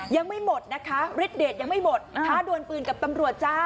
ยังไม่หมดนะคะฤทธเดชยังไม่หมดท้าดวนปืนกับตำรวจจ้า